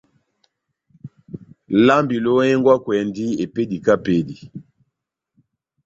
Lambi lohengwakwɛndi epédi kahá epédi.